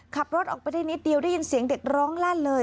ขับรถออกไปได้นิดเดียวได้ยินเสียงเด็กร้องลั่นเลย